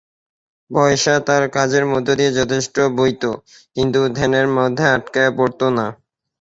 পয়সা তাঁর কাজের মধ্যে দিয়ে যথেষ্ট বইত, কিন্তু ধ্যানের মধ্যে আটকা পড়ত না।